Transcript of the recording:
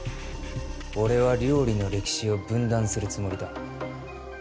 俺は料理の歴史を分断するつもりだ